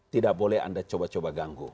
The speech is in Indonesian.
tidak boleh anda coba coba ganggu